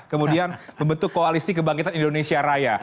kemudian membentuk koalisi kebangkitan indonesia raya